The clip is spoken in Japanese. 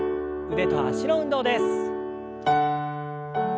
腕と脚の運動です。